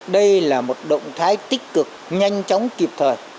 đây là một động thái tích cực nhanh chóng kịp thời